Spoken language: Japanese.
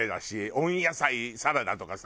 温野菜サラダとかさ。